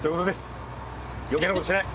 余計なことしない。